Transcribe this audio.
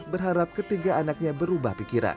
berharap ketiga anaknya berubah pikiran